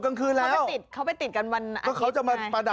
เมื่อวานพาลูกไปโดณิชั่นเหรอ